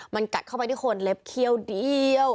มันกัดเข้าไปที่คนเล็บเขี้ยวเดียว